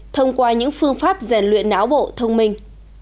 thông qua những phương pháp rèn luyện áo bộ thông minh